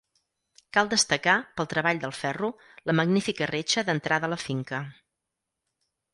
Cal destacar, pel treball del ferro, la magnífica reixa d'entrada a la finca.